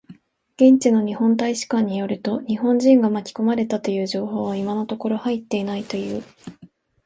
現地の日本大使館によると、日本人が巻き込まれたという情報は今のところ入っていないという。